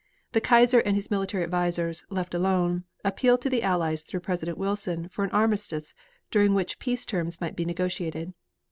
The Kaiser and his military advisers, left alone, appealed to the Allies through President Wilson, for an armistice during which peace terms might be negotiated.